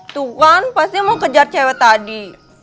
tuh kan pasti mau kejar cewek tadi